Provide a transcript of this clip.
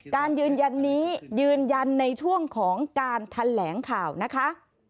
การยืนยันนี้ยืนยันในช่วงของการแถลงข่าวนะคะ